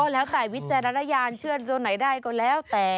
ก็แล้วตายวิจัยระยานเชื่อถามเจ้าไหนได้ก็แล้วแต่